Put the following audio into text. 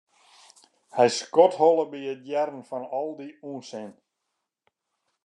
Hy skodholle by it hearren fan al dy ûnsin.